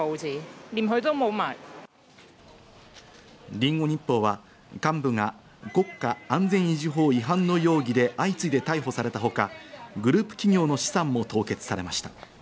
リンゴ日報は、幹部が国家安全維持法違反の容疑で相次いで逮捕されたほか、グループ企業の資産も凍結されました。